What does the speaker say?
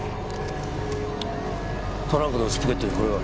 トランクの内ポケットにこれが。